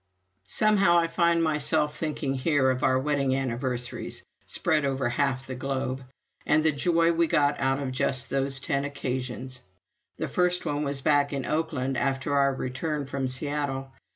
Somehow I find myself thinking here of our wedding anniversaries, spread over half the globe, and the joy we got out of just those ten occasions. The first one was back in Oakland, after our return from Seattle.